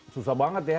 susah banget ya